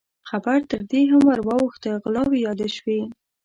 خبره تر دې هم ور واوښته، غلاوې يادې شوې.